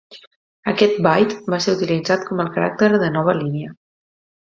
Aquest byte va ser utilitzat com el caràcter de nova línia.